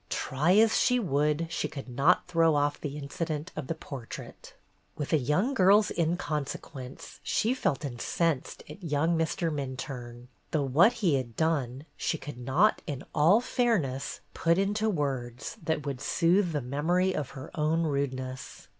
Try as she would, she could not throw off the incident of the portrait. With a girl's inconsequence, she felt incensed at young Mr. Minturne ; though what he had done she could not, in all fair ness, put into words that would soothe the memory of her own rudeness.